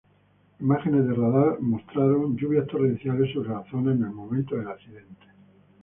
Imágenes de radar mostraron lluvias torrenciales sobre la zona en el momento del accidente.